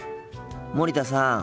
森田さん。